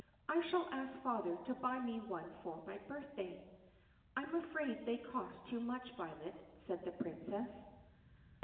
I shall ask father to buy me one for my birthday." "I am afraid they cost too much, Violet," said the Princess.